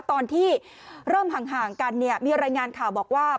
ตอนที่เริ่มห่างกันเนี่ยมีรายงานข่าวบอกว่า